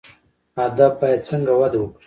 ادب باید څنګه وده وکړي؟